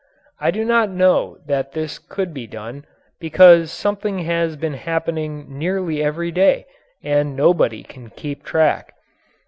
I do not know that this could be done, because something has been happening nearly every day and nobody can keep track.